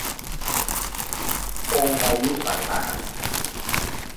ปลงอายุสังขาร